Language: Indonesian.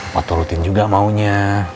waktu rutin juga maunya